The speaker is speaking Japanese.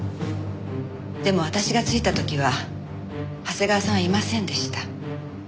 でも私が着いた時は長谷川さんはいませんでした。